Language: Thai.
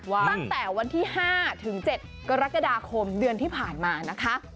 ตั้งแต่วันที่๕ถึง๗กรกฎาคมเดือนที่ผ่านมานะคะ